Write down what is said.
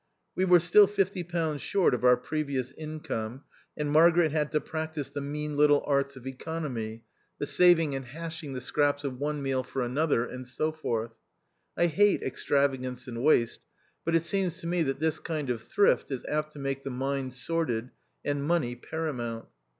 We were still fifty pounds short of our previous income, and Margaret had to practise the mean little arts of economy, the saving and THE OUTCAST. 183 hashing the scraps of one meal for another, and so forth. I hate extravagance and waste ; but it seems to me that this kind of thrift is apt to make the mind sordid, and money paramount.